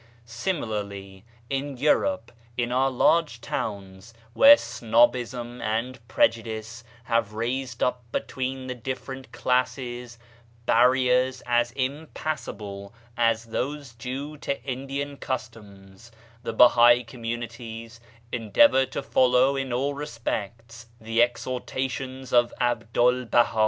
Similarly in Europe, inour large towns, where snobbism and prejudice have raised up between the different classes barriers as impassable as those due to Indian customs, the Bahai communities endeavour to follow in all respects the exhortations of 'Abdu'l Baha.